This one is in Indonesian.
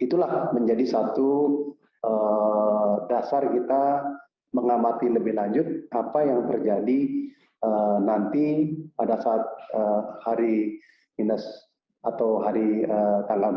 itulah menjadi satu dasar kita mengamati lebih lanjut apa yang terjadi nanti pada saat hari minus atau hari tanggal empat